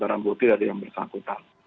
barang bukti dari yang bersangkutan